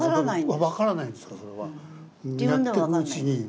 やってくうちに。